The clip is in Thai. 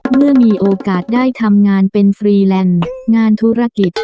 เมื่อมีโอกาสได้ทำงานเป็นฟรีแลนด์งานธุรกิจ